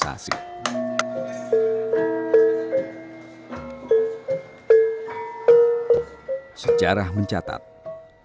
secara mencatat topeng yogyakarta ini adalah warisan budaya yang harus dipelihara